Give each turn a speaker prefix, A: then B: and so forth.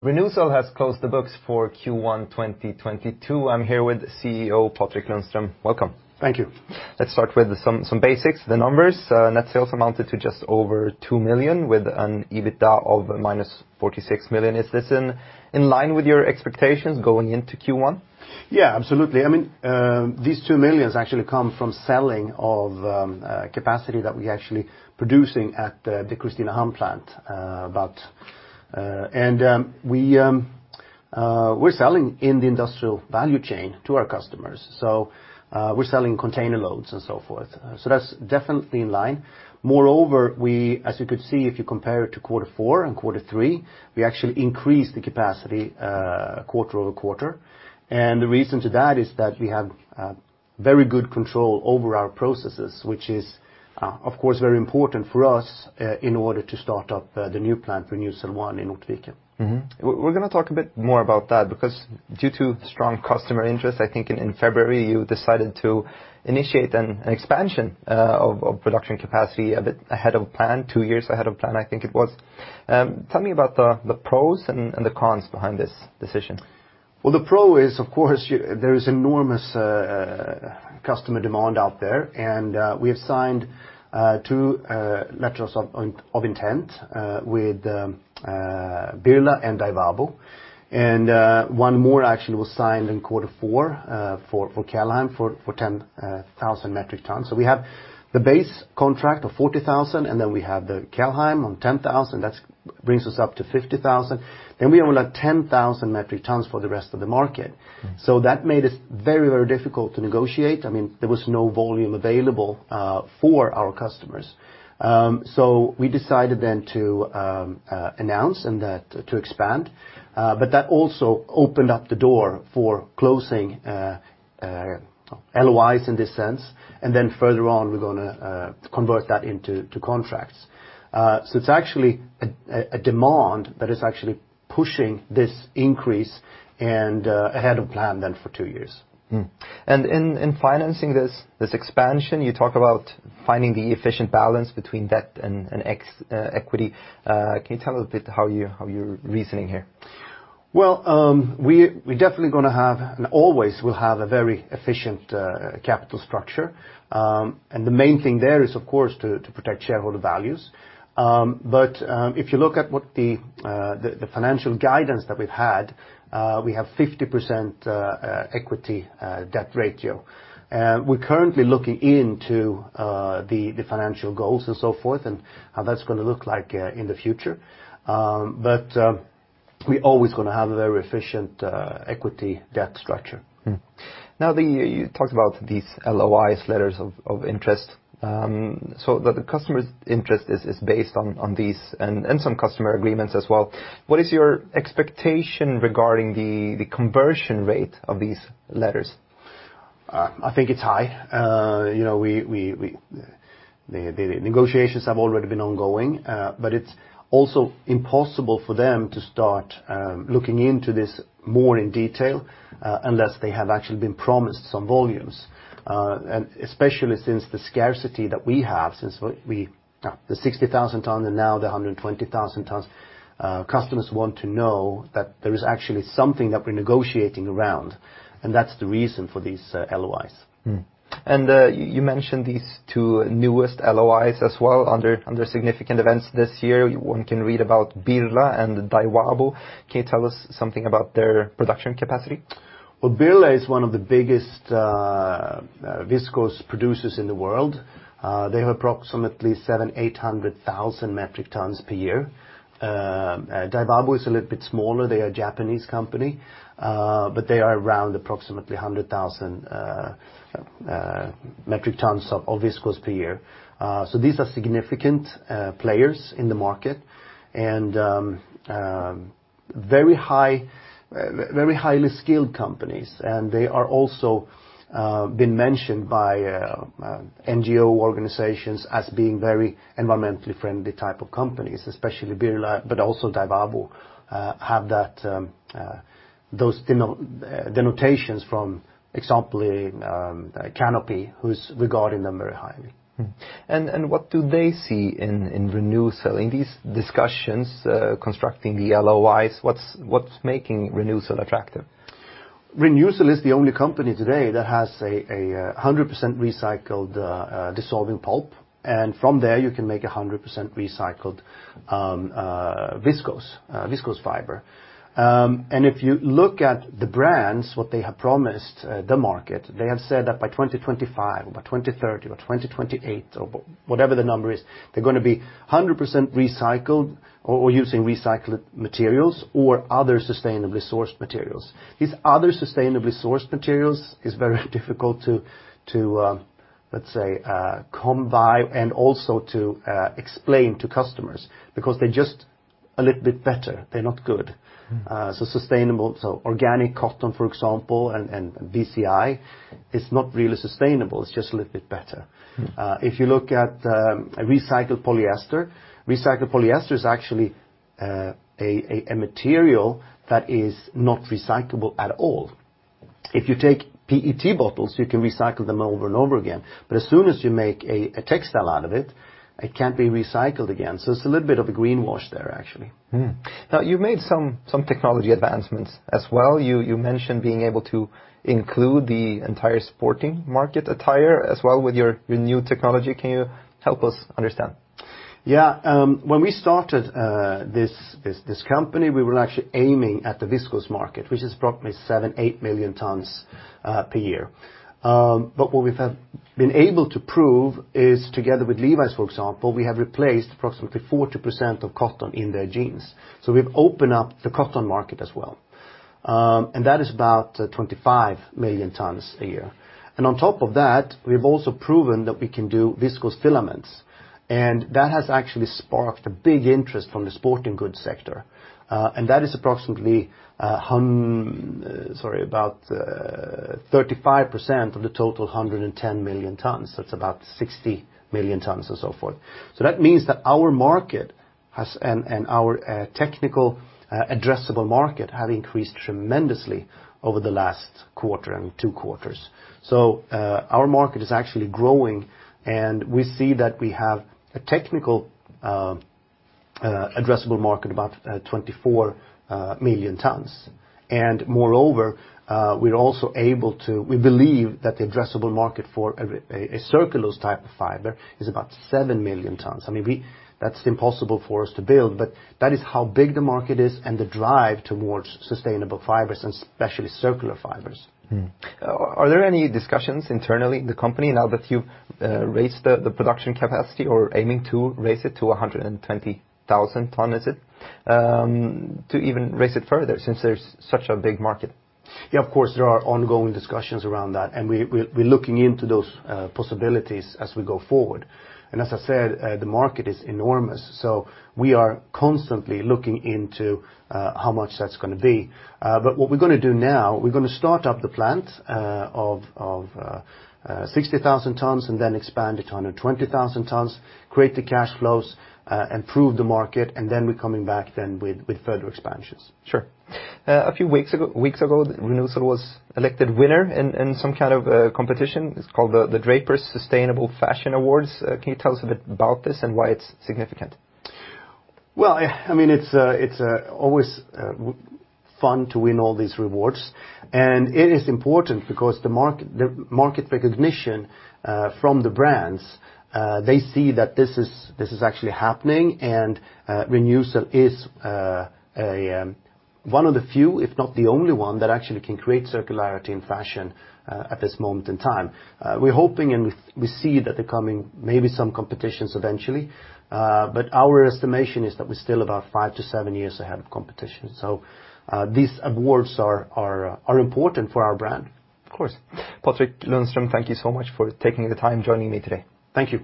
A: Re:NewCell has closed the books for Q1 2022. I'm here with CEO Patrik Lundström. Welcome.
B: Thank you.
A: Let's start with some basics, the numbers. Net sales amounted to just over 2 million, with an EBITDA of -46 million. Is this in line with your expectations going into Q1?
B: Yeah, absolutely. These 2 million actually come from selling of capacity that we actually producing at the Kristinehamn plant. We're selling in the industrial value chain to our customers. We're selling container loads and so forth. That's definitely in line. Moreover, as you could see, if you compare it to quarter four and quarter three, we actually increased the capacity quarter-over-quarter. The reason to that is that we have very good control over our processes, which is, of course, very important for us, in order to start up the new plant, Renewcell 1 in Ortviken.
A: Mm-hmm. We're going to talk a bit more about that, because due to strong customer interest, I think in February, you decided to initiate an expansion of production capacity a bit ahead of plan, two years ahead of plan, I think it was. Tell me about the pros and the cons behind this decision.
B: Well, the pro is, of course, there is enormous customer demand out there, and we have signed two letters of intent with Birla and Daiwabo. One more actually was signed in quarter four for Kelheim for 10,000 metric tons. We have the base contract of 40,000, and then we have the Kelheim on 10,000. That brings us up to 50,000. We have another 10,000 metric tons for the rest of the market. That made it very difficult to negotiate. There was no volume available for our customers. We decided then to announce and to expand. That also opened up the door for closing LOIs in this sense, and then further on, we're going to convert that into contracts. It's actually a demand that is actually pushing this increase and ahead of plan than for two years.
A: Hmm. In financing this expansion, you talk about finding the efficient balance between debt and equity. Can you tell a bit how you're reasoning here?
B: Well, we definitely going to have, and always will have a very efficient capital structure. The main thing there is, of course, to protect shareholder values. If you look at the financial guidance that we've had, we have 50% equity debt ratio. We're currently looking into the financial goals and so forth, and how that's going to look like in the future. We always going to have a very efficient equity debt structure.
A: Hmm. You talked about these LOIs, letters of interest. The customer's interest is based on these and some customer agreements as well. What is your expectation regarding the conversion rate of these letters?
B: I think it's high. The negotiations have already been ongoing. It's also impossible for them to start looking into this more in detail, unless they have actually been promised some volumes. Especially since the scarcity that we have, since the 60,000 tons and now the 120,000 tons. Customers want to know that there is actually something that we're negotiating around, and that's the reason for these LOIs.
A: Hmm. You mentioned these two newest LOIs as well under significant events this year. One can read about Birla and Daiwabo. Can you tell us something about their production capacity?
B: Well, Birla is one of the biggest viscose producers in the world. They have approximately 700,000, 800,000 metric tons per year. Daiwabo is a little bit smaller. They are a Japanese company, they are around approximately 100,000 metric tons of viscose per year. These are significant players in the market and very highly skilled companies. They are also been mentioned by NGO organizations as being very environmentally friendly type of companies, especially Birla, but also Daiwabo, have those denotations from, example, Canopy, who's regarding them very highly.
A: What do they see in Re:NewCell in these discussions, constructing the LOIs? What's making Re:NewCell attractive?
B: Re:NewCell is the only company today that has 100% recycled dissolving pulp, from there you can make 100% recycled viscose fiber. If you look at the brands, what they have promised the market, they have said that by 2025 or by 2030 or 2028 or whatever the number is, they're going to be 100% recycled or using recycled materials or other sustainably sourced materials. These other sustainably sourced materials is very difficult to, let's say, come by and also to explain to customers, because they're just a little bit better. They're not good. Sustainable, organic cotton, for example, and BCI is not really sustainable. It's just a little bit better. If you look at recycled polyester, recycled polyester is actually a material that is not recyclable at all. If you take PET bottles, you can recycle them over and over again. As soon as you make a textile out of it can't be recycled again. It's a little bit of a greenwash there, actually.
A: Mm-hmm. You've made some technology advancements as well. You mentioned being able to include the entire sporting market attire as well with your new technology. Can you help us understand?
B: Yeah. When we started this company, we were actually aiming at the viscose market, which is approximately 7 million-8 million tons per year. What we have been able to prove is, together with Levi's, for example, we have replaced approximately 40% of cotton in their jeans. We've opened up the cotton market as well, and that is about 25 million tons a year. On top of that, we've also proven that we can do viscose filaments, and that has actually sparked a big interest from the sporting goods sector. That is approximately about 35% of the total 110 million tons. It's about 60 million tons and so forth. That means that our market and our technical addressable market have increased tremendously over the last quarter and two quarters. Our market is actually growing, and we see that we have a technical addressable market about 24 million tons. Moreover, we believe that the addressable market for a cellulose type of fiber is about 7 million tons. I mean, that's impossible for us to build, but that is how big the market is and the drive towards sustainable fibers, and especially circular fibers.
A: Mm-hmm. Are there any discussions internally in the company now that you've raised the production capacity or aiming to raise it to 120,000 tons, is it? To even raise it further since there's such a big market?
B: Yeah, of course, there are ongoing discussions around that. We're looking into those possibilities as we go forward. As I said, the market is enormous, so we are constantly looking into how much that's going to be. What we're going to do now, we're going to start up the plant of 60,000 tons and then expand to 120,000 tons, create the cash flows, and prove the market, and then we're coming back then with further expansions.
A: Sure. A few weeks ago, Re:NewCell was elected winner in some kind of competition. It's called the Drapers Sustainable Fashion Awards. Can you tell us a bit about this and why it's significant?
B: Well, it's always fun to win all these awards, and it is important because the market recognition from the brands, they see that this is actually happening and Re:NewCell is one of the few, if not the only one, that actually can create circularity in fashion at this moment in time. We're hoping and we see that they're coming maybe some competitions eventually. Our estimation is that we're still about five to seven years ahead of competition, so these awards are important for our brand.
A: Of course. Patrik Lundström, thank you so much for taking the time joining me today. Thank you